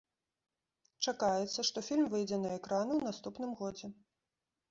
Чакаецца, што фільм выйдзе на экраны ў наступным годзе.